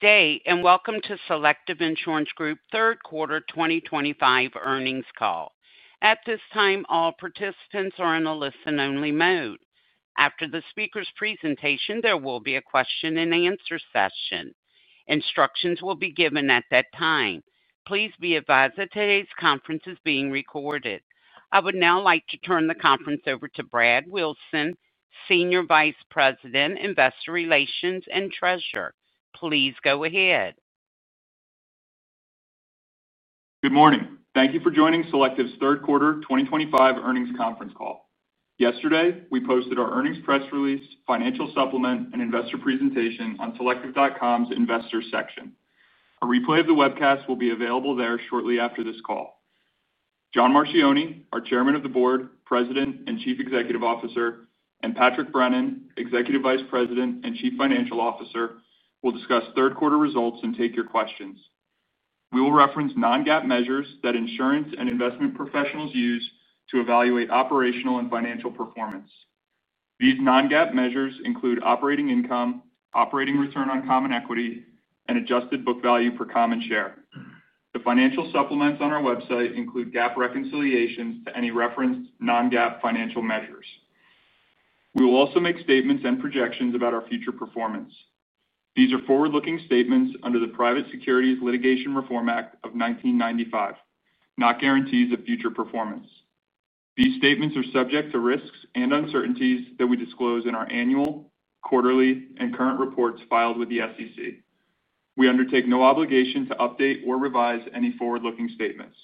day and welcome to Selective Insurance Group, third quarter 2025 earnings call. At this time, all participants are in a listen-only mode. After the speaker's presentation, there will be a question and answer session. Instructions will be given at that time. Please be advised that today's conference is being recorded. I would now like to turn the conference over to Brad Wilson, Senior Vice President, Investor Relations and Treasurer. Please go ahead. Good morning. Thank you for joining Selective Insurance Group's third quarter 2025 earnings conference call. Yesterday, we posted our earnings press release, financial supplement, and investor presentation on selective.com's investors section. A replay of the webcast will be available there shortly after this call. John Marchioni, our Chairman of the Board, President and Chief Executive Officer, and Patrick Brennan, Executive Vice President and Chief Financial Officer, will discuss third quarter results and take your questions. We will reference non-GAAP measures that insurance and investment professionals use to evaluate operational and financial performance. These non-GAAP measures include operating income, operating return on common equity, and adjusted book value per common share. The financial supplements on our website include GAAP reconciliations to any referenced non-GAAP financial measures. We will also make statements and projections about our future performance. These are forward-looking statements under the Private Securities Litigation Reform Act of 1995, not guarantees of future performance. These statements are subject to risks and uncertainties that we disclose in our annual, quarterly, and current reports filed with the SEC. We undertake no obligation to update or revise any forward-looking statements.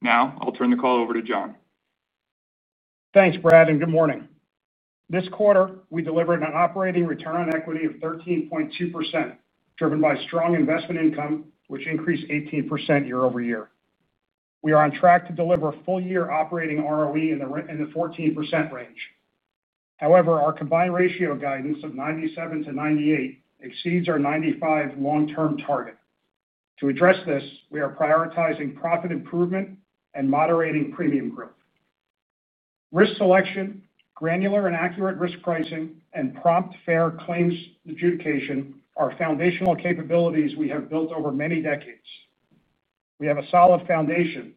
Now, I'll turn the call over to John. Thanks, Brad, and good morning. This quarter, we delivered an operating return on equity of 13.2%, driven by strong investment income, which increased 18% year-over-year. We are on track to deliver a full-year operating ROE in the 14% range. However, our combined ratio guidance of 97%-98% exceeds our 95% long-term target. To address this, we are prioritizing profit improvement and moderating premium growth. Risk selection, granular and accurate risk pricing, and prompt, fair claims adjudication are foundational capabilities we have built over many decades. We have a solid foundation,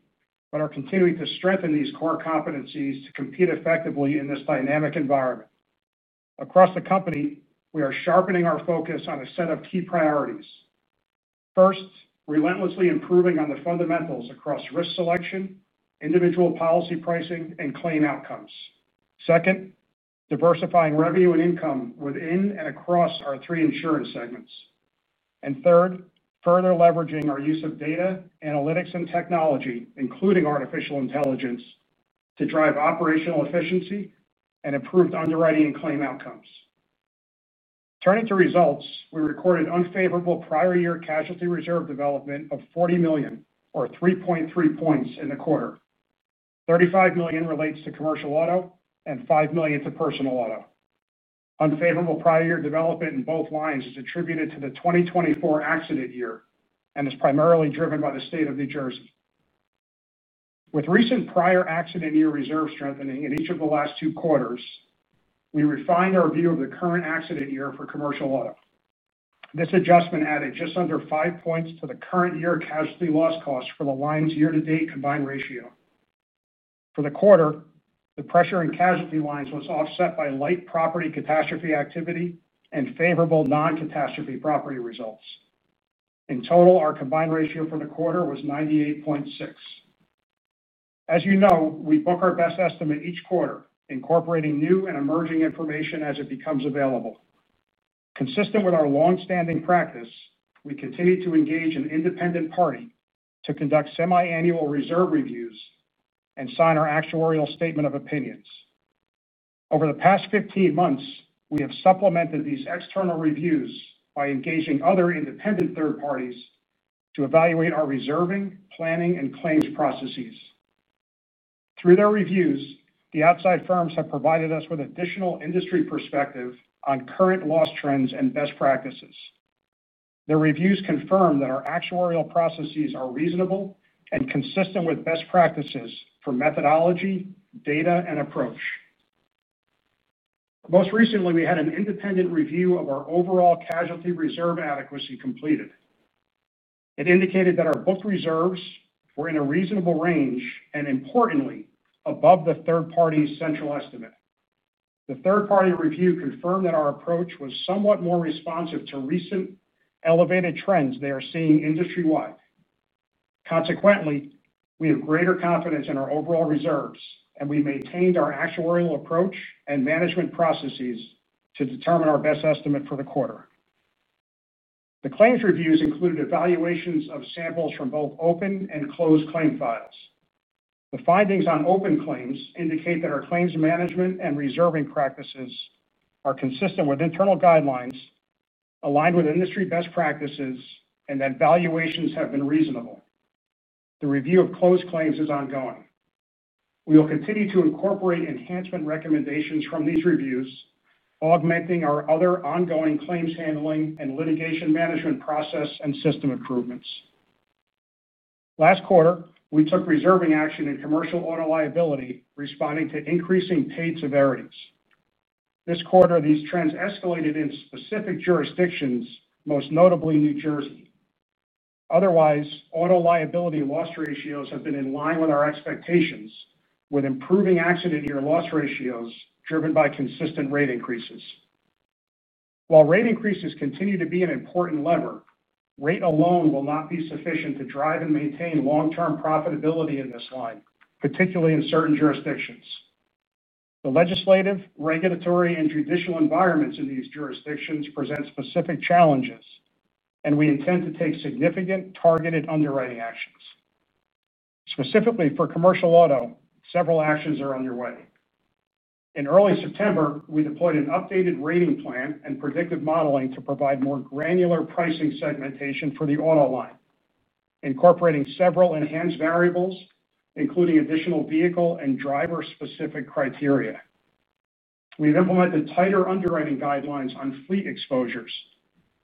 but are continuing to strengthen these core competencies to compete effectively in this dynamic environment. Across the company, we are sharpening our focus on a set of key priorities. First, relentlessly improving on the fundamentals across risk selection, individual policy pricing, and claim outcomes. Second, diversifying revenue and income within and across our three insurance segments. Third, further leveraging our use of data, analytics, and technology, including artificial intelligence, to drive operational efficiency and improved underwriting and claim outcomes. Turning to results, we recorded unfavorable prior-year casualty reserve development of $40 million, or 3.3 points in the quarter. $35 million relates to commercial auto and $5 million to personal auto. Unfavorable prior-year development in both lines is attributed to the 2024 accident year and is primarily driven by the state of New Jersey. With recent prior accident year reserve strengthening in each of the last two quarters, we refined our view of the current accident year for commercial auto. This adjustment added just under five points to the current year casualty loss cost for the line's year-to-date combined ratio. For the quarter, the pressure in casualty lines was offset by light property catastrophe activity and favorable non-catastrophe property results. In total, our combined ratio for the quarter was 98.6%. As you know, we book our best estimate each quarter, incorporating new and emerging information as it becomes available. Consistent with our longstanding practice, we continue to engage an independent party to conduct semi-annual reserve reviews and sign our actuarial statement of opinions. Over the past 15 months, we have supplemented these external reviews by engaging other independent third parties to evaluate our reserving, planning, and claims processes. Through their reviews, the outside firms have provided us with additional industry perspective on current loss trends and best practices. Their reviews confirm that our actuarial processes are reasonable and consistent with best practices for methodology, data, and approach. Most recently, we had an independent review of our overall casualty reserve adequacy completed. It indicated that our book reserves were in a reasonable range and, importantly, above the third party's central estimate. The third party review confirmed that our approach was somewhat more responsive to recent elevated trends they are seeing industry-wide. Consequently, we have greater confidence in our overall reserves, and we maintained our actuarial approach and management processes to determine our best estimate for the quarter. The claims reviews included evaluations of samples from both open and closed claim files. The findings on open claims indicate that our claims management and reserving practices are consistent with internal guidelines, aligned with industry best practices, and that valuations have been reasonable. The review of closed claims is ongoing. We will continue to incorporate enhancement recommendations from these reviews, augmenting our other ongoing claims handling and litigation management process and system improvements. Last quarter, we took reserving action in commercial auto liability, responding to increasing paid severities. This quarter, these trends escalated in specific jurisdictions, most notably New Jersey. Otherwise, auto liability loss ratios have been in line with our expectations, with improving accident year loss ratios driven by consistent rate increases. While rate increases continue to be an important lever, rate alone will not be sufficient to drive and maintain long-term profitability in this line, particularly in certain jurisdictions. The legislative, regulatory, and judicial environments in these jurisdictions present specific challenges, and we intend to take significant targeted underwriting actions. Specifically for commercial auto, several actions are underway. In early September, we deployed an updated rating plan and predictive modeling to provide more granular pricing segmentation for the auto line, incorporating several enhanced variables, including additional vehicle and driver-specific criteria. We've implemented tighter underwriting guidelines on fleet exposures,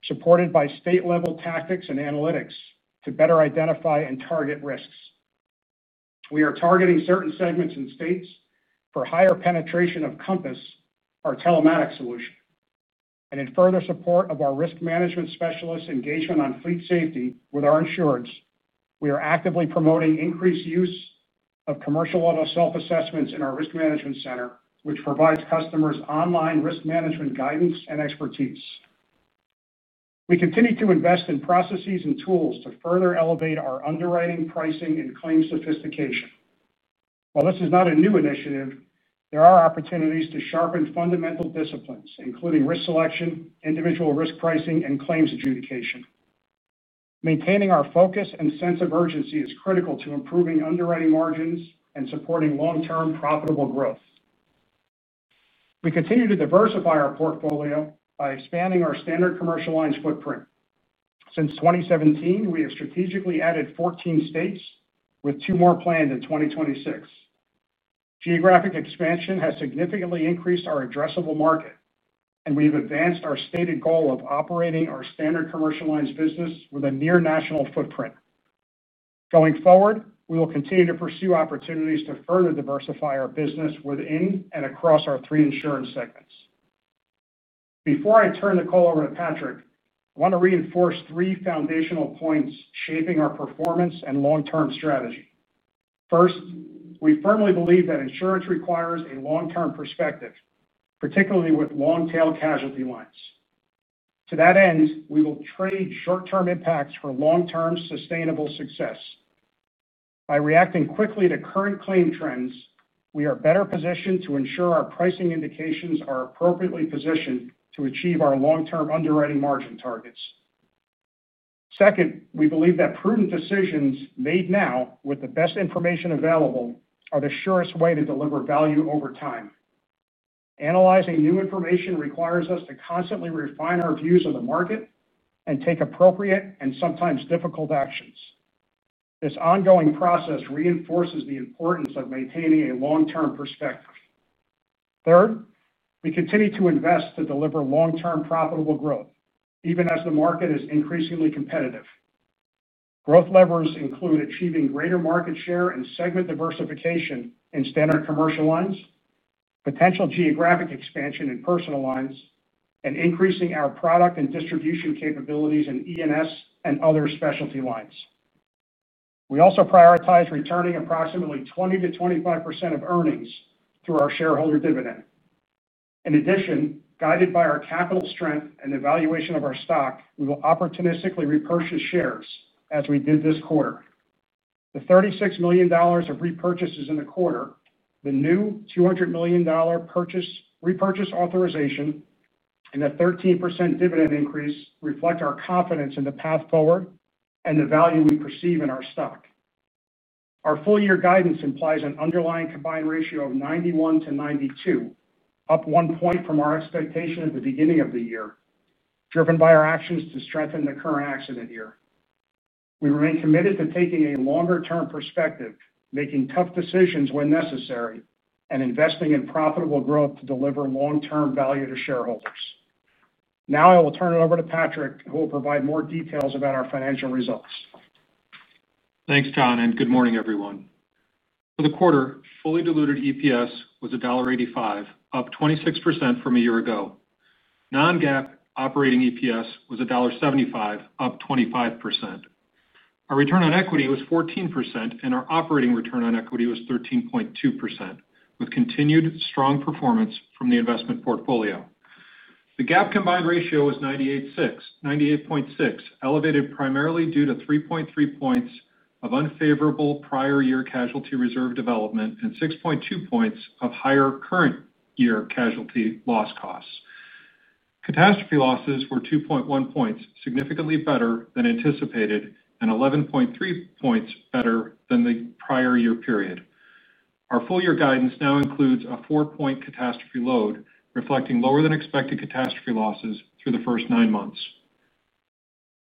supported by state-level tactics and analytics to better identify and target risks. We are targeting certain segments and states for higher penetration of Compass, our Telematics solution. In further support of our risk management specialists' engagement on fleet safety with our insureds, we are actively promoting increased use of commercial auto self-assessments in our risk management center, which provides customers online risk management guidance and expertise. We continue to invest in processes and tools to further elevate our underwriting pricing and claim sophistication. While this is not a new initiative, there are opportunities to sharpen fundamental disciplines, including risk selection, individual risk pricing, and claims adjudication. Maintaining our focus and sense of urgency is critical to improving underwriting margins and supporting long-term profitable growth. We continue to diversify our portfolio by expanding our standard commercial lines footprint. Since 2017, we have strategically added 14 states, with two more planned in 2026. Geographic expansion has significantly increased our addressable market, and we've advanced our stated goal of operating our standard commercial lines business with a near-national footprint. Going forward, we will continue to pursue opportunities to further diversify our business within and across our three insurance segments. Before I turn the call over to Patrick, I want to reinforce three foundational points shaping our performance and long-term strategy. First, we firmly believe that insurance requires a long-term perspective, particularly with long-tail casualty lines. To that end, we will trade short-term impacts for long-term sustainable success. By reacting quickly to current claim trends, we are better positioned to ensure our pricing indications are appropriately positioned to achieve our long-term underwriting margin targets. Second, we believe that prudent decisions made now, with the best information available, are the surest way to deliver value over time. Analyzing new information requires us to constantly refine our views of the market and take appropriate and sometimes difficult actions. This ongoing process reinforces the importance of maintaining a long-term perspective. Third, we continue to invest to deliver long-term profitable growth, even as the market is increasingly competitive. Growth levers include achieving greater market share and segment diversification in Standard Commercial Lines, potential geographic expansion in Personal Lines, and increasing our product and distribution capabilities in Excess and Surplus Lines and other specialty lines. We also prioritize returning approximately 20%-25% of earnings through our shareholder dividend. In addition, guided by our capital strength and evaluation of our stock, we will opportunistically repurchase shares as we did this quarter. The $36 million of repurchases in the quarter, the new $200 million share repurchase authorization, and the 13% dividend increase reflect our confidence in the path forward and the value we perceive in our stock. Our full-year guidance implies an underlying combined ratio of 91%-92%, up one point from our expectation at the beginning of the year, driven by our actions to strengthen the current accident year. We remain committed to taking a longer-term perspective, making tough decisions when necessary, and investing in profitable growth to deliver long-term value to shareholders. Now, I will turn it over to Patrick, who will provide more details about our financial results. Thanks, John, and good morning, everyone. For the quarter, fully diluted EPS was $1.85, up 26% from a year ago. Non-GAAP operating EPS was $1.75, up 25%. Our return on equity was 14%, and our operating return on equity was 13.2%, with continued strong performance from the investment portfolio. The GAAP combined ratio was 98.6, elevated primarily due to 3.3 points of unfavorable prior-year casualty reserve development and 6.2 points of higher current-year casualty loss costs. Catastrophe losses were 2.1 points, significantly better than anticipated, and 11.3 points better than the prior year period. Our full-year guidance now includes a 4-point catastrophe load, reflecting lower than expected catastrophe losses through the first nine months.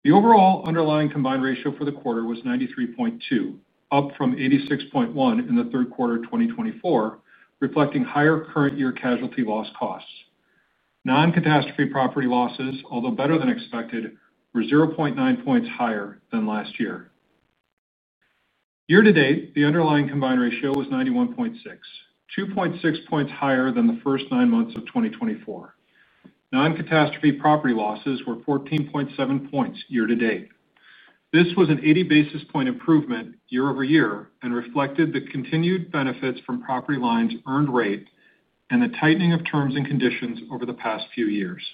The overall underlying combined ratio for the quarter was 93.2, up from 86.1 in the third quarter, 2024, reflecting higher current-year casualty loss costs. Non-catastrophe property losses, although better than expected, were 0.9 points higher than last year. Year-to-date, the underlying combined ratio was 91.6, 2.6 points higher than the first nine months of 2024. Non-catastrophe property losses were 14.7 points year to date. This was an 80 basis point improvement year over year and reflected the continued benefits from property lines' earned rate and the tightening of terms and conditions over the past few years.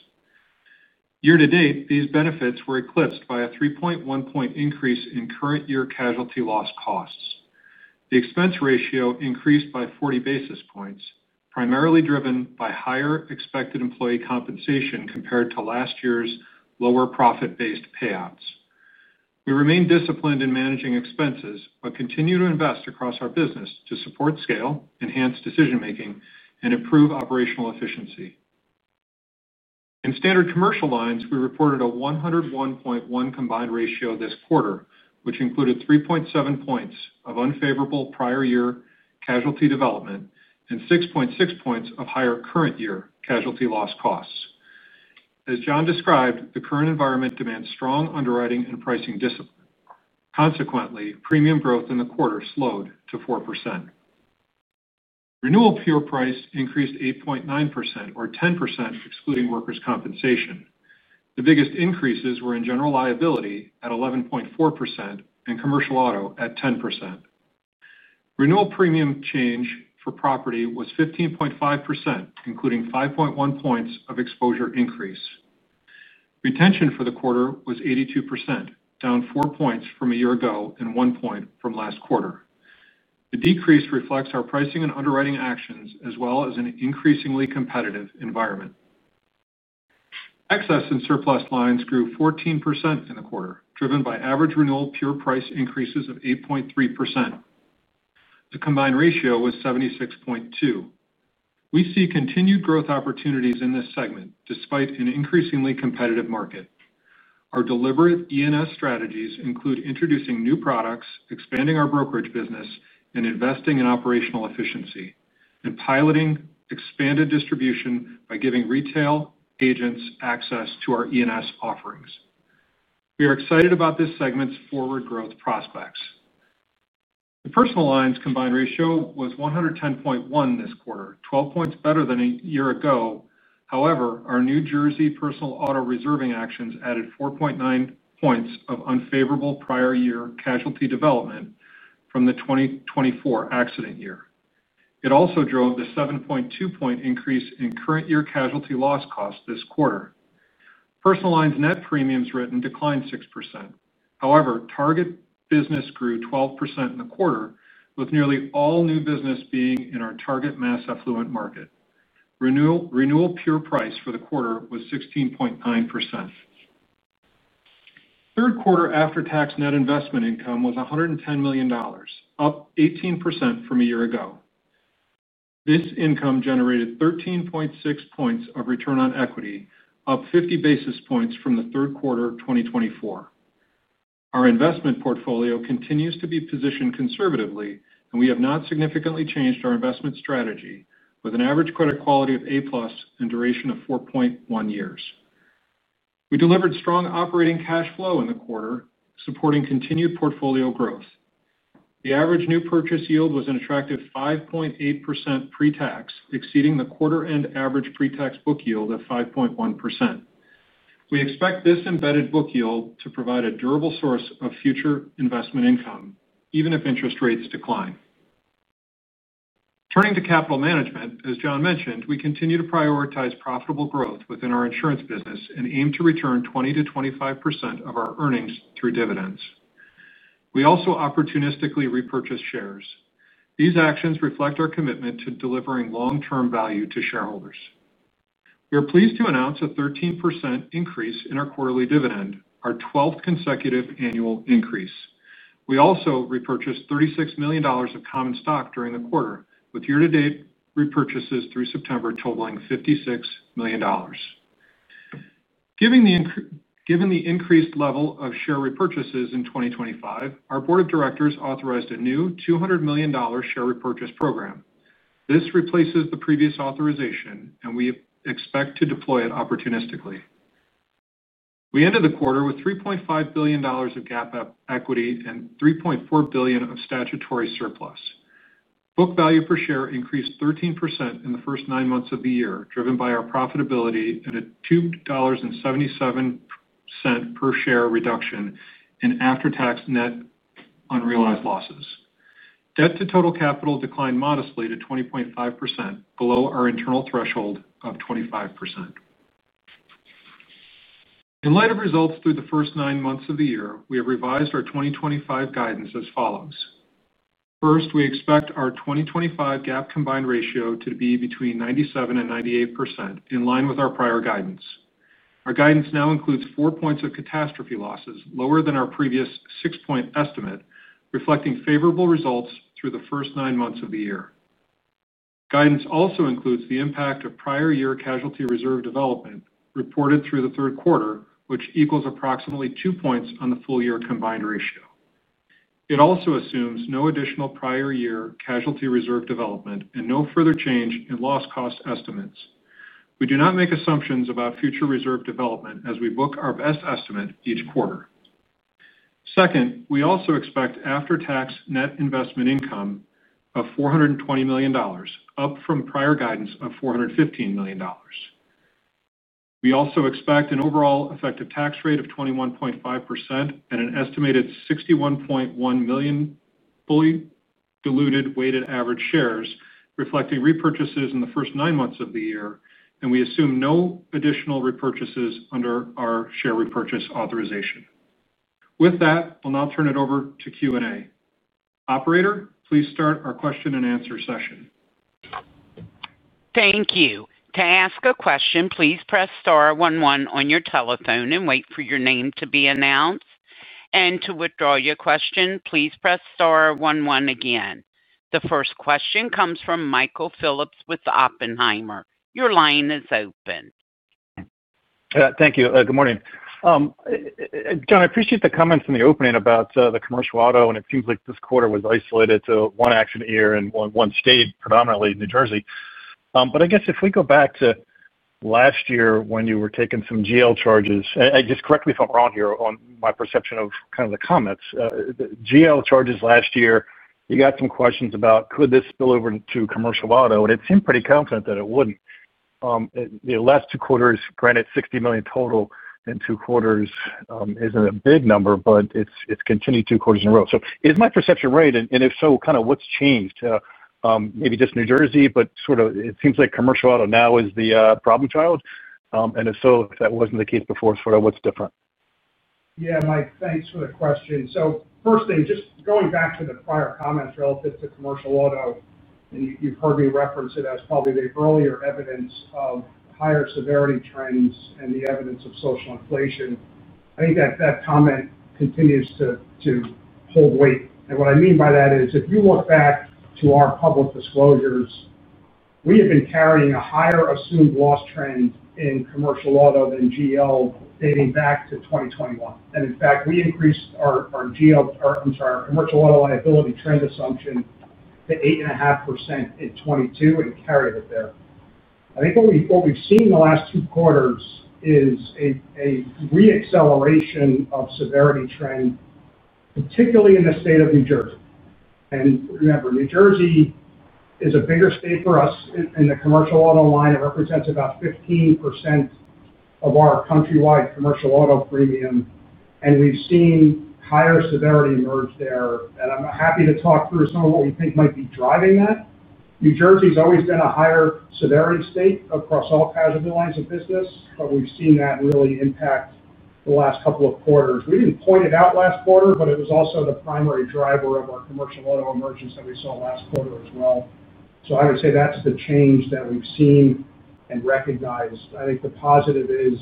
Year-to-date, these benefits were eclipsed by a 3.1 point increase in current-year casualty loss costs. The expense ratio increased by 40 basis points, primarily driven by higher expected employee compensation compared to last year's lower profit-based payouts. We remain disciplined in managing expenses but continue to invest across our business to support scale, enhance decision-making, and improve operational efficiency. In Standard Commercial Lines, we reported a 101.1 combined ratio this quarter, which included 3.7 points of unfavorable prior-year casualty development and 6.6 points of higher current-year casualty loss costs. As John described, the current environment demands strong underwriting and pricing discipline. Consequently, premium growth in the quarter slowed to 4%. Renewal Pure Price increased 8.9%, or 10% excluding Workers' Compensation. The biggest increases were in General Liability at 11.4% and Commercial Auto at 10%. Renewal premium change for property was 15.5%, including 5.1 points of exposure increase. Retention for the quarter was 82%, down four points from a year ago and one point from last quarter. The decrease reflects our pricing and underwriting actions, as well as an increasingly competitive environment. Excess and Surplus Lines grew 14% in the quarter, driven by average renewal Pure Price increases of 8.3%. The combined ratio was 76.2. We see continued growth opportunities in this segment, despite an increasingly competitive market. Our deliberate Excess and Surplus Lines strategies include introducing new products, expanding our brokerage business, investing in operational efficiency, and piloting expanded distribution by giving retail agents access to our Excess and Surplus Lines offerings. We are excited about this segment's forward growth prospects. The Personal Lines combined ratio was 110.1 this quarter, 12 points better than a year ago. However, our New Jersey personal auto reserving actions added 4.9 points of unfavorable prior-year casualty development from the 2024 accident year. It also drove the 7.2 point increase in current-year casualty loss costs this quarter. Personal Lines net premiums written declined 6%. However, target business grew 12% in the quarter, with nearly all new business being in our target mass affluent market. Renewal Pure Price for the quarter was 16.9%. Third quarter after-tax net investment income was $110 million, up 18% from a year ago. This income generated 13.6 points of return on equity, up 50 basis points from the third quarter of 2024. Our investment portfolio continues to be positioned conservatively, and we have not significantly changed our investment strategy, with an average credit quality of A+ and duration of 4.1 years. We delivered strong operating cash flow in the quarter, supporting continued portfolio growth. The average new purchase yield was an attractive 5.8% pre-tax, exceeding the quarter-end average pre-tax book yield of 5.1%. We expect this embedded book yield to provide a durable source of future investment income, even if interest rates decline. Turning to capital management, as John mentioned, we continue to prioritize profitable growth within our insurance business and aim to return 20%-25% of our earnings through dividends. We also opportunistically repurchased shares. These actions reflect our commitment to delivering long-term value to shareholders. We are pleased to announce a 13% increase in our quarterly dividend, our 12th consecutive annual increase. We also repurchased $36 million of common stock during the quarter, with year-to-date repurchases through September totaling $56 million. Given the increased level of share repurchases in 2025, our Board of Directors authorized a new $200 million share repurchase program. This replaces the previous authorization, and we expect to deploy it opportunistically. We ended the quarter with $3.5 billion of GAAP equity and $3.4 billion of statutory surplus. Book value per share increased 13% in the first nine months of the year, driven by our profitability and a $2.77 per share reduction in after-tax net unrealized losses. Debt to total capital declined modestly to 20.5%, below our internal threshold of 25%. In light of results through the first nine months of the year, we have revised our 2025 guidance as follows. First, we expect our 2025 GAAP combined ratio to be between 97% and 98%, in line with our prior guidance. Our guidance now includes four points of catastrophe losses, lower than our previous six-point estimate, reflecting favorable results through the first nine months of the year. Guidance also includes the impact of prior-year casualty reserve development reported through the third quarter, which equals approximately two points on the full-year combined ratio. It also assumes no additional prior-year casualty reserve development and no further change in loss cost estimates. We do not make assumptions about future reserve development as we book our best estimate each quarter. Second, we also expect after-tax net investment income of $420 million, up from prior guidance of $415 million. We also expect an overall effective tax rate of 21.5% and an estimated 61.1 million fully diluted weighted average shares, reflecting repurchases in the first nine months of the year, and we assume no additional repurchases under our share repurchase authorization. With that, I'll now turn it over to Q&A. Operator, please start our question and answer session. Thank you. To ask a question, please press star one-one on your telephone and wait for your name to be announced. To withdraw your question, please press star one-one again. The first question comes from Michael Phillips with Oppenheimer & Co. Inc. Your line is open. Thank you. Good morning. John, I appreciate the comments in the opening about the commercial auto, and it seems like this quarter was isolated to one accident year and one state, predominantly in New Jersey. I guess if we go back to last year when you were taking some GL charges, and just correct me if I'm wrong here on my perception of kind of the comments. The GL charges last year, you got some questions about could this spill over to commercial auto, and it seemed pretty confident that it wouldn't. The last two quarters, granted $60 million total in two quarters, isn't a big number, but it's continued two quarters in a row. Is my perception right? If so, what's changed? Maybe just New Jersey, but it seems like commercial auto now is the problem child. If that wasn't the case before, what's different? Yeah, Mike, thanks for the question. First thing, just going back to the prior comments relative to commercial auto, you've heard me reference it as probably the earlier evidence of higher severity trends and the evidence of social inflation. I think that that comment continues to hold weight. What I mean by that is if you look back to our public disclosures, we have been carrying a higher assumed loss trend in commercial auto than General Liability dating back to 2021. In fact, we increased our commercial auto liability trend assumption to 8.5% in 2022 and carried it there. I think what we've seen in the last two quarters is a re-acceleration of severity trend, particularly in the state of New Jersey. Remember, New Jersey is a bigger state for us in the commercial auto line. It represents about 15% of our countrywide commercial auto premium. We've seen higher severity emerge there. I'm happy to talk through some of what we think might be driving that. New Jersey's always been a higher severity state across all casualty lines of business, but we've seen that really impact the last couple of quarters. We didn't point it out last quarter, but it was also the primary driver of our commercial auto emergence that we saw last quarter as well. I would say that's the change that we've seen and recognized. I think the positive is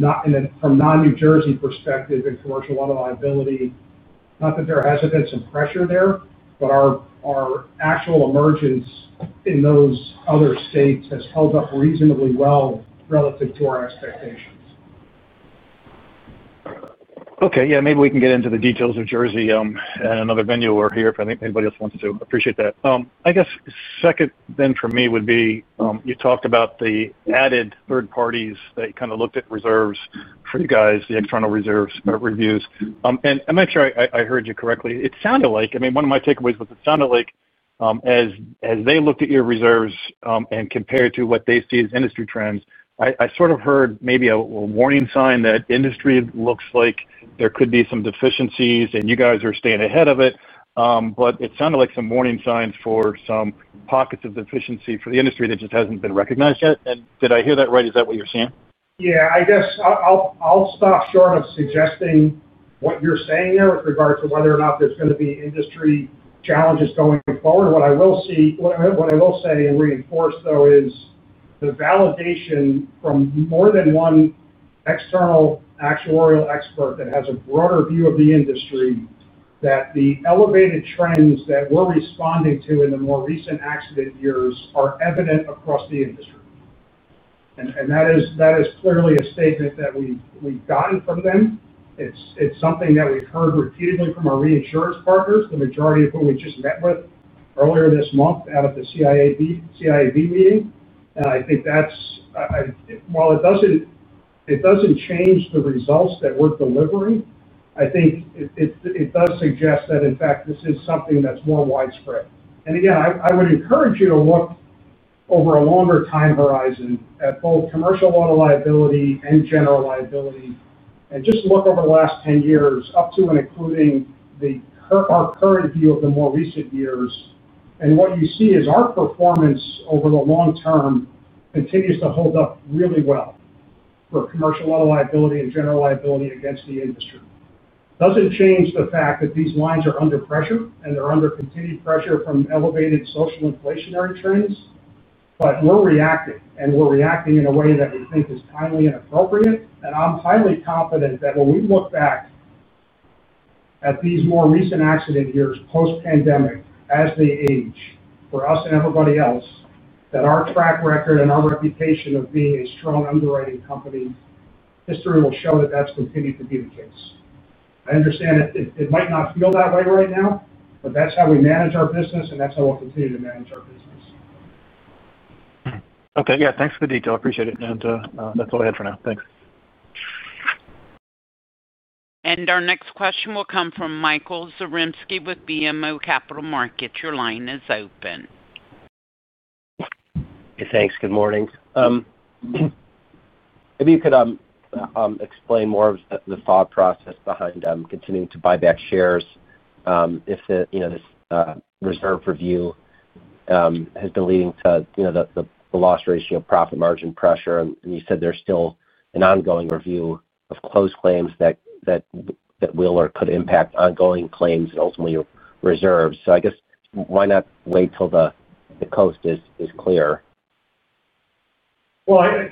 from a non-New Jersey perspective in commercial auto liability, not that there are hesitancy and pressure there, but our actual emergence in those other states has held up reasonably well relative to our expectations. Okay, maybe we can get into the details of New Jersey and another venue or here if anybody else wants to. I appreciate that. I guess second then for me would be you talked about the added third parties that you kind of looked at reserves for you guys, the external reserve reviews. I'm not sure I heard you correctly. It sounded like, I mean, one of my takeaways was it sounded like as they looked at your reserves and compared to what they see as industry trends, I sort of heard maybe a warning sign that industry looks like there could be some deficiencies and you guys are staying ahead of it. It sounded like some warning signs for some pockets of deficiency for the industry that just hasn't been recognized yet. Did I hear that right? Is that what you're saying? Yeah, I guess I'll stop short of suggesting what you're saying there with regard to whether or not there's going to be industry challenges going forward. What I will say and reinforce though is the validation from more than one external actuarial expert that has a broader view of the industry that the elevated trends that we're responding to in the more recent accident years are evident across the industry. That is clearly a statement that we've gotten from them. It's something that we've heard repeatedly from our reinsurance partners, the majority of whom we just met with earlier this month out of the CIB meeting. I think that's, while it doesn't change the results that we're delivering, I think it does suggest that in fact this is something that's more widespread. I would encourage you to look over a longer time horizon at both commercial auto liability and general liability and just look over the last 10 years up to and including our current view of the more recent years. What you see is our performance over the long term continues to hold up really well for commercial auto liability and general liability against the industry. It doesn't change the fact that these lines are under pressure and they're under continued pressure from elevated social inflationary trends. We're reacting and we're reacting in a way that we think is timely and appropriate. I'm highly confident that when we look back at these more recent accident years post-pandemic as they age for us and everybody else, that our track record and our reputation of being a strong underwriting company, history will show that that's continued to be the case. I understand it might not feel that way right now, but that's how we manage our business and that's how we'll continue to manage our business. Okay, yeah, thanks for the detail. I appreciate it. That's all I had for now. Thanks. Our next question will come from Michael Zaremski with BMO Capital Markets. Your line is open. Hey, thanks. Good morning. Maybe you could explain more of the thought process behind continuing to buy back shares if the reserve review has been leading to the loss ratio profit margin pressure. You said there's still an ongoing review of closed claims that will or could impact ongoing claims and ultimately your reserves. I guess why not wait till the coast is clear?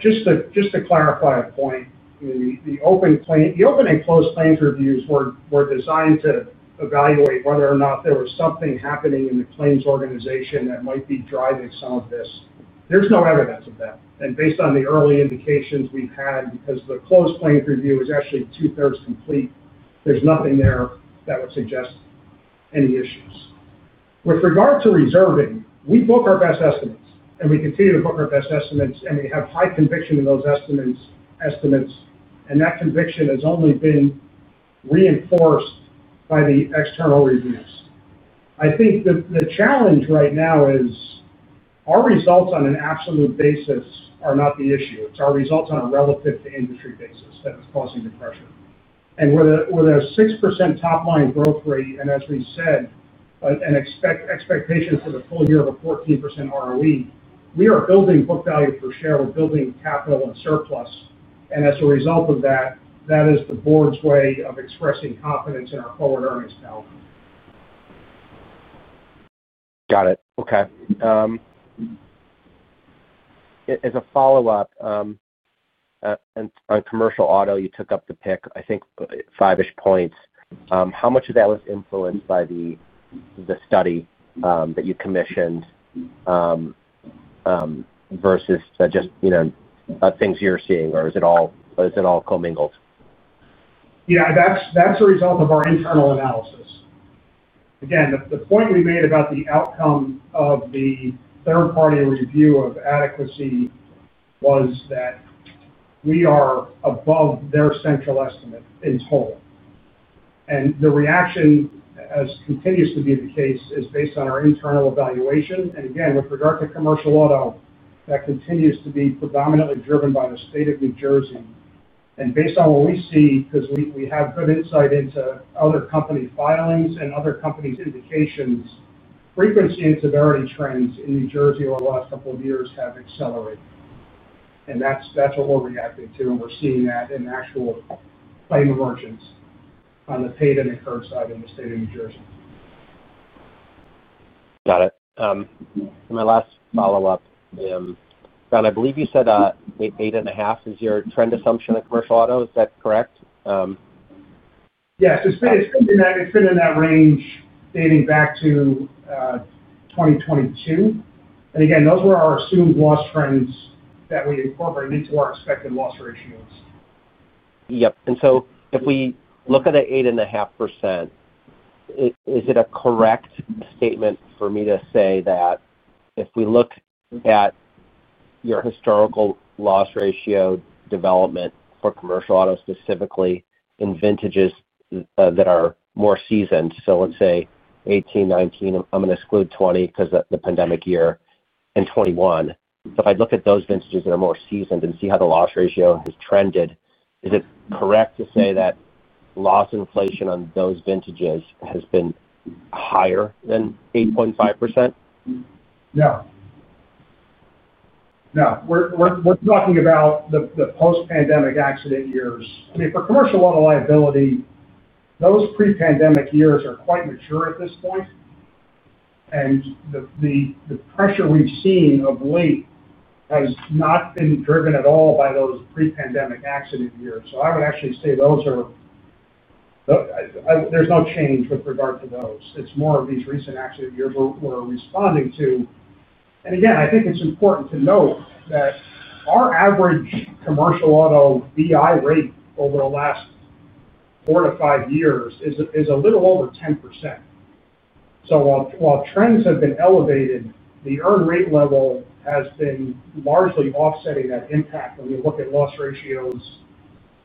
Just to clarify a point, the open and closed claims reviews were designed to evaluate whether or not there was something happening in the claims organization that might be driving some of this. There's no evidence of that. Based on the early indications we've had, because the closed claims review is actually 2/3 complete, there's nothing there that would suggest any issues. With regard to reserving, we book our best estimates and we continue to book our best estimates and we have high conviction in those estimates. That conviction has only been reinforced by the external reviews. I think the challenge right now is our results on an absolute basis are not the issue. It's our results on a relative to industry basis that is causing the pressure. With a 6% top line growth rate and, as we said, an expectation for the full year of a 14% ROE, we are building book value per share. We're building capital and surplus. As a result of that, that is the board's way of expressing confidence in our forward earnings power. Got it. Okay. As a follow-up on commercial auto, you took up the pick, I think, five-ish points. How much of that was influenced by the study that you commissioned versus just, you know, things you're seeing? Or is it all comingled? Yeah, that's a result of our internal analysis. The point we made about the outcome of the third-party review of adequacy was that we are above their central estimate in total. The reaction, as continues to be the case, is based on our internal evaluation. With regard to commercial auto, that continues to be predominantly driven by the state of New Jersey. Based on what we see, because we have good insight into other company filings and other company indications, frequency and severity trends in New Jersey over the last couple of years have accelerated. That's what we're reacting to. We're seeing that in actual claim emergence on the paid and incurred side in the state of New Jersey. Got it. My last follow-up, John, I believe you said 8.5% is your trend assumption in commercial auto. Is that correct? Yes, it's been in that range dating back to 2022. Those were our assumed loss trends that we incorporated into our expected loss ratios. If we look at the 8.5%, is it a correct statement for me to say that if we look at your historical loss ratio development for commercial auto specifically in vintages that are more seasoned? Let's say 2018, 2019, I'm going to exclude 2020 because of the pandemic year, and 2021. If I look at those vintages that are more seasoned and see how the loss ratio has trended, is it correct to say that loss inflation on those vintages has been higher than 8.5%? Yeah. We're talking about the post-pandemic accident years. For commercial auto liability, those pre-pandemic years are quite mature at this point. The pressure we've seen of late has not been driven at all by those pre-pandemic accident years. I would actually say there's no change with regard to those. It's more of these recent accident years we're responding to. I think it's important to note that our average commercial auto VI rate over the last four to five years is a little over 10%. While trends have been elevated, the earn rate level has been largely offsetting that impact when you look at loss ratios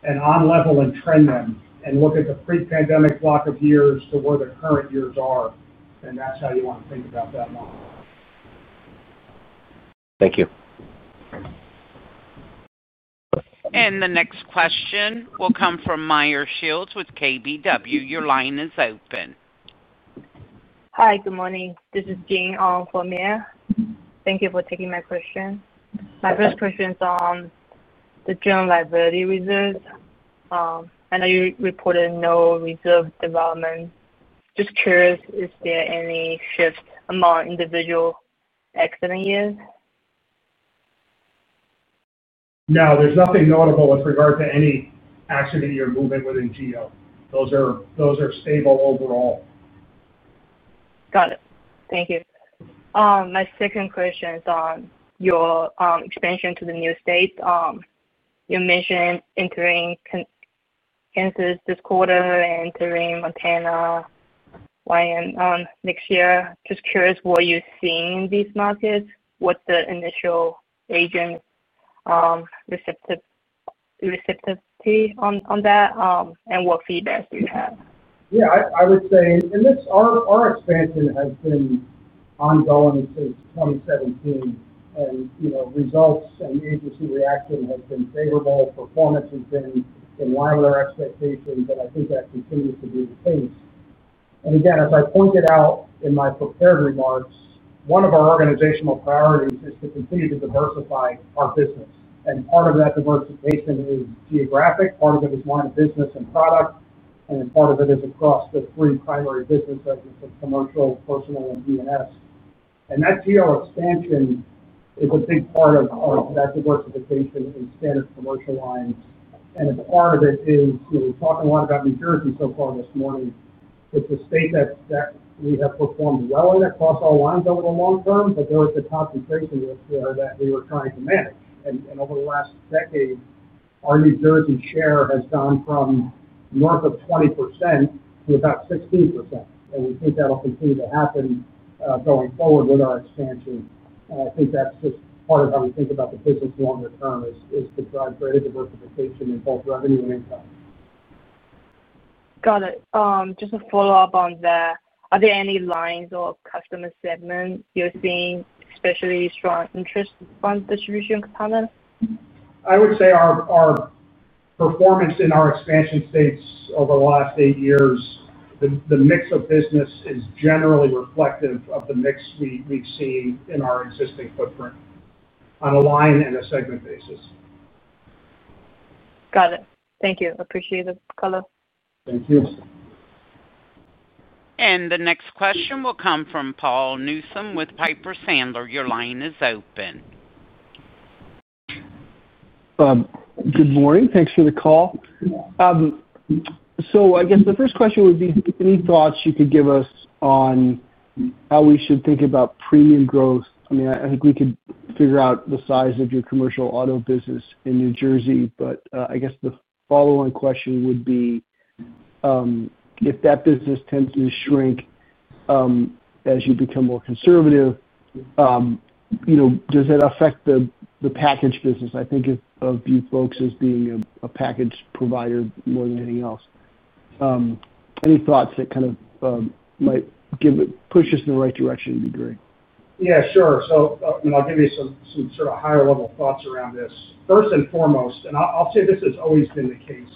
and on-level and trend them and look at the pre-pandemic block of years to where the current years are. That's how you want to think about that model. Thank you. The next question will come from Meyer Shields with KBW. Your line is open. Hi, good morning. This is Jian Huang for Meyer. Thank you for taking my question. My first question is on the general liability reserves. I know you reported no reserve development. Just curious, is there any shift among individual accident years? No, there's nothing notable with regard to any accident year movement within General Liability. Those are stable overall. Got it. Thank you. My second question is on your expansion to the new states. You mentioned entering Kansas this quarter and entering Montana next year. Just curious, what are you seeing in these markets? What's the initial agent receptivity on that? What feedback do you have? Yeah, I would say our expansion has been ongoing since 2017. Results and agency reaction have been favorable. Performance has been in line with our expectations, and I think that continues to be the case. As I pointed out in my prepared remarks, one of our organizational priorities is to continue to diversify our business. Part of that diversification is geographic, part of it is line of business and product, and then part of it is across the three primary business segments of commercial, personal, and Excess and Surplus Lines. That General Liability expansion is a big part of that diversification in Standard Commercial Lines. A part of it is, you know we've talked a lot about New Jersey so far this morning. It's a state that we have performed well in across all lines over the long term, but there is a concentration risk there that we were trying to manage. Over the last decade, our New Jersey share has gone from north of 20% to about 16%. We think that'll continue to happen going forward with our expansion. I think that's just part of how we think about the business longer term, to drive greater diversification in both revenue and income. Got it. Just to follow up on that, are there any lines or customer segments you're seeing, especially strong interest from distribution components? I would say our performance in our expansion states over the last eight years, the mix of business is generally reflective of the mix we've seen in our existing footprint on a line and a segment basis. Got it. Thank you. I appreciate the color. Thank you. The next question will come from Jon Paul Newsome with Piper Sandler & Co. Your line is open. Good morning. Thanks for the call. The first question would be if you have any thoughts you could give us on how we should think about premium growth. I think we could figure out the size of your commercial auto business in New Jersey. The follow-on question would be, if that business tends to shrink as you become more conservative, does that affect the package business? I think of you folks as being a package provider more than anything else. Any thoughts that might push us in the right direction? That'd be great. Yeah, sure. I'll give you some sort of higher-level thoughts around this. First and foremost, and I'll say this has always been the case,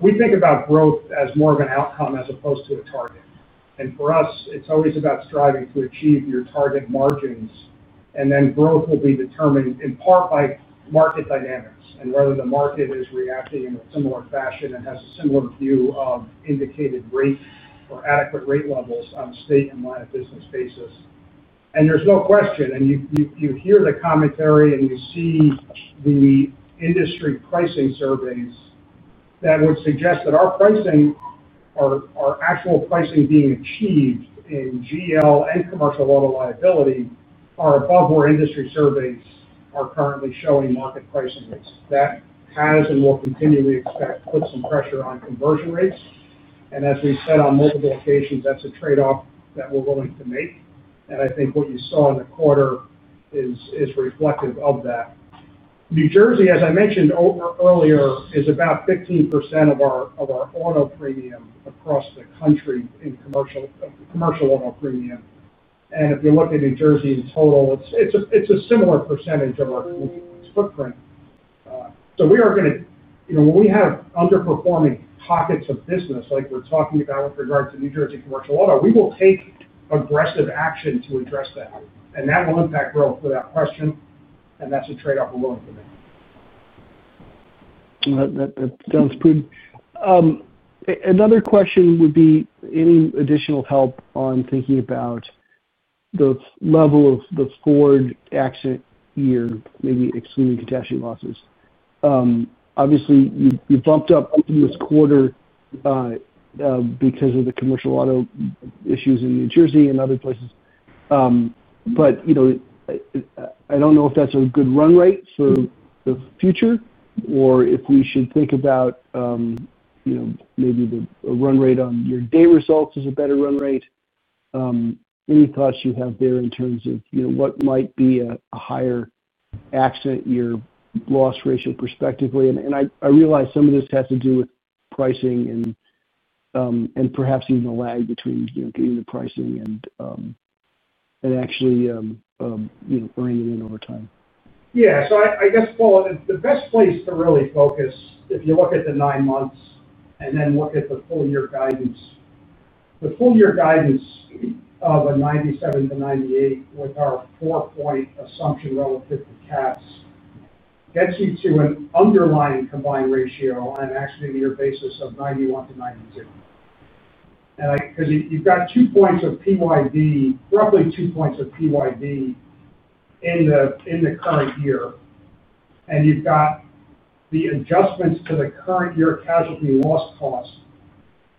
we think about growth as more of an outcome as opposed to a target. For us, it's always about striving to achieve your target margins, and then growth will be determined in part by market dynamics and whether the market is reacting in a similar fashion and has a similar view of indicated rate or adequate rate levels on a state and line of business basis. There's no question, and you hear the commentary and you see the industry pricing surveys that would suggest that our pricing, our actual pricing being achieved in General Liability and commercial auto liability, are above where industry surveys are currently showing market pricing rates. That has and will continue, we expect, to put some pressure on conversion rates. As we've said on multiple occasions, that's a trade-off that we're willing to make. I think what you saw in the quarter is reflective of that. New Jersey, as I mentioned earlier, is about 15% of our auto premium across the country in commercial auto premium. If you look at New Jersey in total, it's a similar percentage of our commission-based footprint. We are going to, you know, when we have underperforming pockets of business like we're talking about with regard to New Jersey commercial auto, we will take aggressive action to address that. That will impact growth without question, and that's a trade-off we're willing to make. That sounds pretty. Another question would be any additional help on thinking about the level of the forward accident year and maybe excluding catastrophe losses. Obviously, you bumped up this quarter because of the commercial auto issues in New Jersey and other places. I don't know if that's a good run rate for the future or if we should think about maybe the run rate on your day results is a better run rate. Any thoughts you have there in terms of what might be a higher accident year loss ratio perspectively? I realize some of this has to do with pricing and perhaps even the lag between getting the pricing and actually earning it in over time. Yeah, I guess, Paul, the best place to really focus, if you look at the nine months and then look at the full-year guidance, the full-year guidance of a 97%-98% with our four-point assumption relative to CATs gets you to an underlying combined ratio on an accident year basis of 91%-92%. Because you've got two points of PYD, roughly two points of PYD in the current year, and you've got the adjustments to the current year casualty loss cost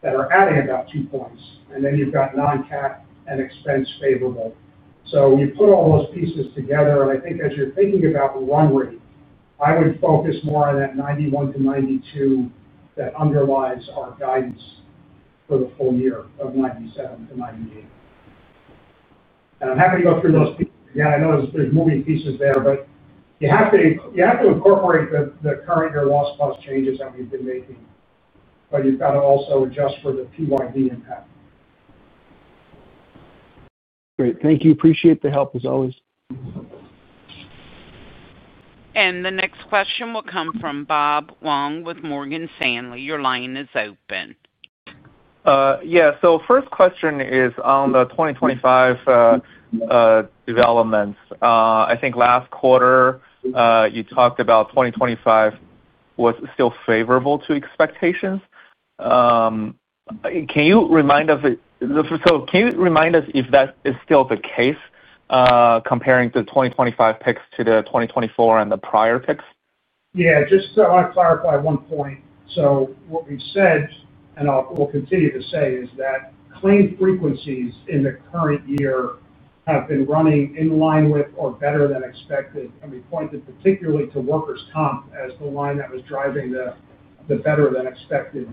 that are adding about two points. You've got non-CAT and expense favorable. You put all those pieces together, and I think as you're thinking about the run rate, I would focus more on that 91%-92% that underlies our guidance for the full year of 97%-98%. I'm happy to go through those pieces again. I know there's moving pieces there, but you have to incorporate the current year loss cost changes that we've been making. You've got to also adjust for the PYD impact. Great. Thank you. Appreciate the help as always. The next question will come from Bob Huang with Morgan Stanley. Your line is open. First question is on the 2025 developments. I think last quarter, you talked about 2025 was still favorable to expectations. Can you remind us if that is still the case, comparing the 2025 picks to the 2024 and the prior picks? Just to clarify one point. What we've said, and I'll continue to say, is that claim frequencies in the current year have been running in line with or better than expected. We pointed particularly to Workers' Compensation as the line that was driving the better than expected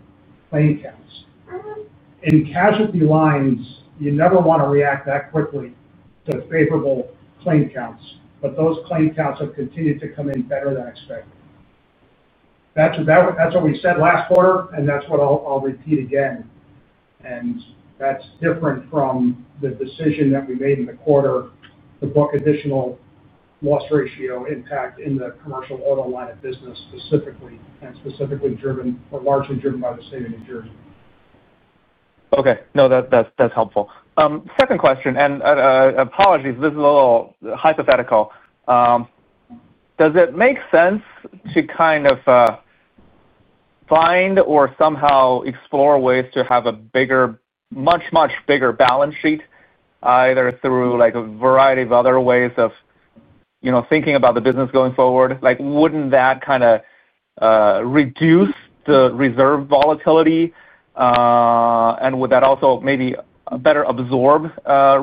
claim counts. In casualty lines, you never want to react that quickly to favorable claim counts, but those claim counts have continued to come in better than expected. That's what we said last quarter, and that's what I'll repeat again. That's different from the decision that we made in the quarter to book additional loss ratio impact in the Commercial Auto line of business specifically, and specifically driven or largely driven by the state of New Jersey. Okay, no, that's helpful. Second question, and apologies, this is a little hypothetical. Does it make sense to kind of find or somehow explore ways to have a bigger, much, much bigger balance sheet, either through like a variety of other ways of, you know, thinking about the business going forward? Wouldn't that kind of reduce the reserve volatility? Would that also maybe better absorb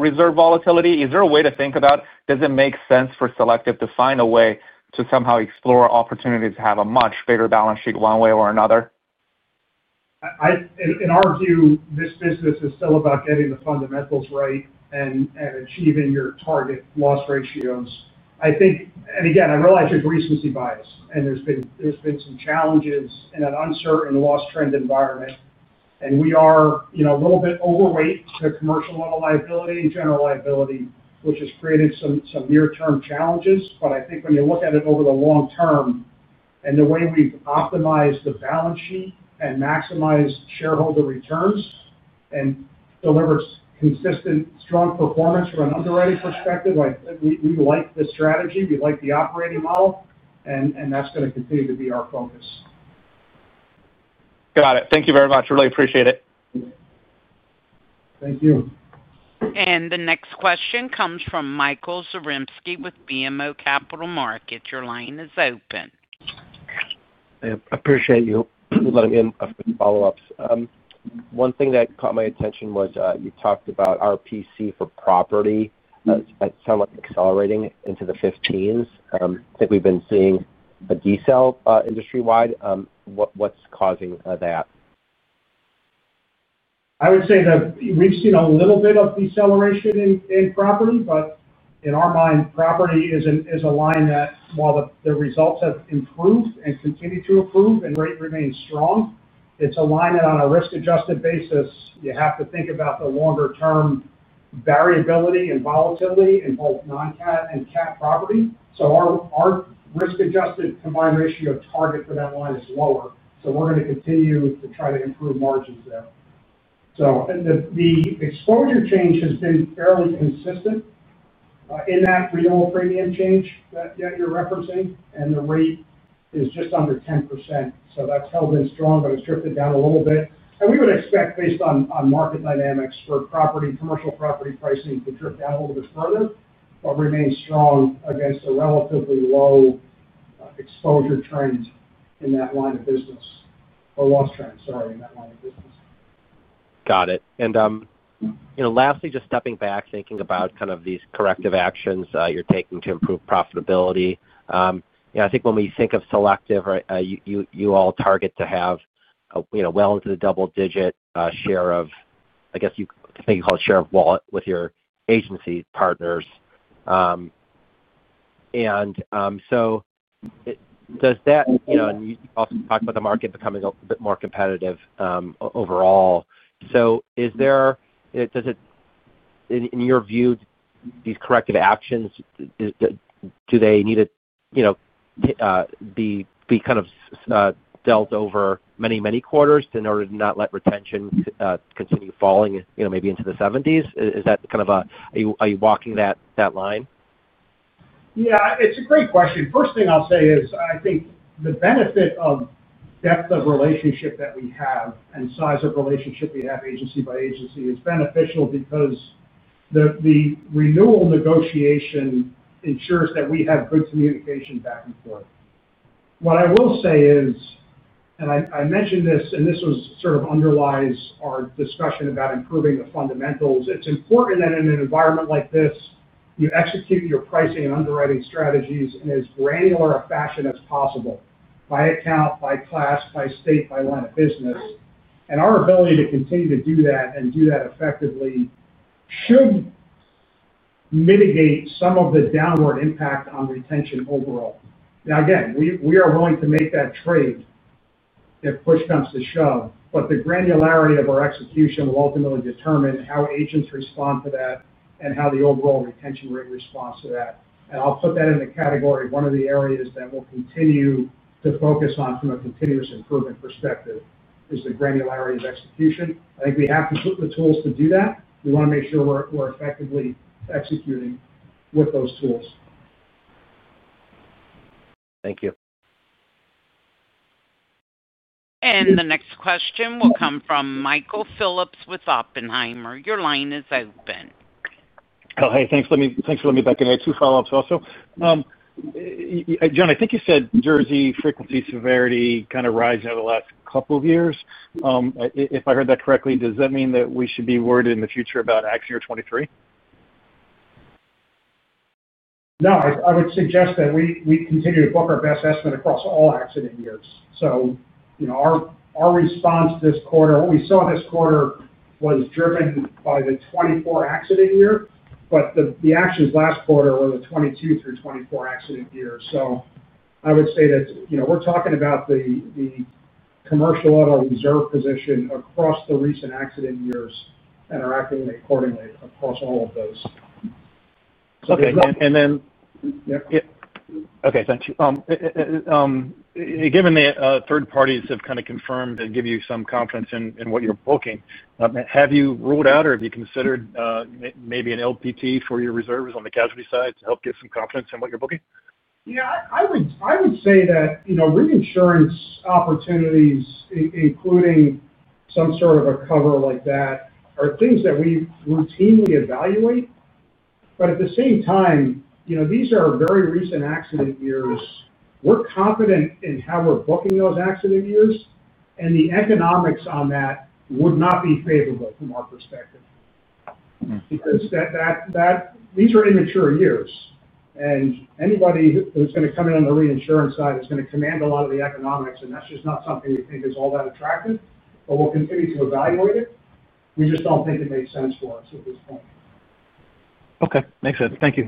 reserve volatility? Is there a way to think about, does it make sense for Selective Insurance Group to find a way to somehow explore opportunities to have a much bigger balance sheet one way or another? In our view, this business is still about getting the fundamentals right and achieving your target loss ratios. I think, and again, I realize your recency bias, and there's been some challenges in an uncertain loss trend environment. We are a little bit overweight to commercial auto liability and general liability, which has created some near-term challenges. I think when you look at it over the long term and the way we've optimized the balance sheet and maximized shareholder returns and delivered consistent, strong performance from an underwriting perspective, we like the strategy. We like the operating model, and that's going to continue to be our focus. Got it. Thank you very much. Really appreciate it. Thank you. The next question comes from Michael Zaremski with BMO Capital Markets. Your line is open. I appreciate you letting me in for the follow-ups. One thing that caught my attention was you talked about RPC for property. That sounded like accelerating into the 15s. I think we've been seeing a decel industry-wide. What's causing that? I would say that we've seen a little bit of deceleration in property, but in our mind, property is a line that, while the results have improved and continue to improve and rate remains strong, it's a line that on a risk-adjusted basis, you have to think about the longer-term variability and volatility in both non-CAT and CAT property. Our risk-adjusted combined ratio target for that line is lower. We're going to continue to try to improve margins there. The exposure change has been fairly consistent in that renewal premium change that you're referencing, and the rate is just under 10%. That's held in strong, but it's drifted down a little bit. We would expect, based on market dynamics for commercial property pricing, to drift down a little bit further, but remain strong against a relatively low exposure trend in that line of business or loss trend, sorry, in that line of business. Got it. Lastly, just stepping back, thinking about kind of these corrective actions you're taking to improve profitability. I think when we think of Selective Insurance Group, you all target to have well into the double-digit share of, I guess you call it share of wallet with your agency partners. Does that, and you also talked about the market becoming a bit more competitive overall, so in your view, these corrective actions, do they need to be kind of delved over many, many quarters in order to not let retention continue falling, maybe into the 70%? Is that kind of a, are you walking that line? Yeah, it's a great question. First thing I'll say is I think the benefit of depth of relationship that we have and size of relationship we have agency by agency is beneficial because the renewal negotiation ensures that we have good communication back and forth. What I will say is, and I mentioned this, this sort of underlies our discussion about improving the fundamentals, it's important that in an environment like this, you execute your pricing and underwriting strategies in as granular a fashion as possible by account, by class, by state, by line of business. Our ability to continue to do that and do that effectively should mitigate some of the downward impact on retention overall. Now, again, we are willing to make that trade if push comes to shove, but the granularity of our execution will ultimately determine how agents respond to that and how the overall retention rate responds to that. I'll put that in the category of one of the areas that we'll continue to focus on from a continuous improvement perspective is the granularity of execution. I think we have the tools to do that. We want to make sure we're effectively executing with those tools. Thank you. The next question will come from Michael Phillips with Oppenheimer & Co. Inc. Your line is open. Oh, thanks. Thanks for letting me back in. I have two follow-ups also. John, I think you said New Jersey frequency severity kind of rising over the last couple of years. If I heard that correctly, does that mean that we should be worried in the future about accident year 2023? No, I would suggest that we continue to book our best estimate across all accident years. Our response this quarter, what we saw this quarter was driven by the 2024 accident year, but the actions last quarter were the 2022 through 2024 accident year. I would say that we're talking about the commercial auto reserve position across the recent accident years and are acting accordingly across all of those. Okay, thanks. Given that third parties have kind of confirmed to give you some confidence in what you're booking, have you ruled out or have you considered maybe an LPT for your reserves on the casualty side to help get some confidence in what you're booking? I would say that reinsurance opportunities, including some sort of a cover like that, are things that we routinely evaluate. At the same time, these are very recent accident years. We're confident in how we're booking those accident years, and the economics on that would not be favorable from our perspective because these are immature years. Anybody who's going to come in on the reinsurance side is going to command a lot of the economics, and that's just not something we think is all that attractive. We'll continue to evaluate it. We just don't think it makes sense for us at this point. Okay, makes sense. Thank you.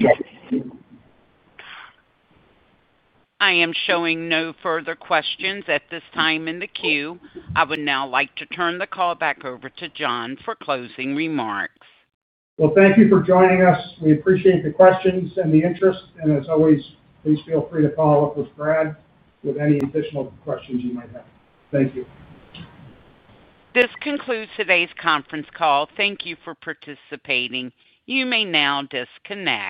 I am showing no further questions at this time in the queue. I would now like to turn the call back over to John for closing remarks. Thank you for joining us. We appreciate the questions and the interest. As always, please feel free to follow up with Brad with any additional questions you might have. Thank you. This concludes today's conference call. Thank you for participating. You may now disconnect.